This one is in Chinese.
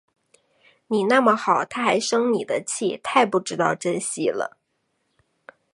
你那么好，她还生你的气，太不知道珍惜了